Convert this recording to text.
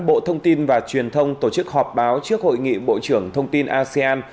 bộ thông tin và truyền thông tổ chức họp báo trước hội nghị bộ trưởng thông tin asean